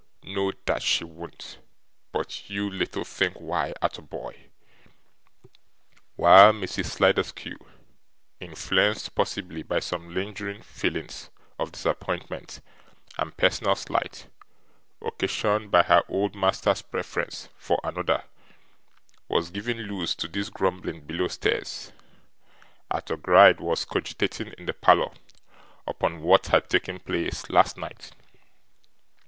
No, that she won't, but you little think why, Arthur boy!' While Mrs. Sliderskew, influenced possibly by some lingering feelings of disappointment and personal slight, occasioned by her old master's preference for another, was giving loose to these grumblings below stairs, Arthur Gride was cogitating in the parlour upon what had taken place last night.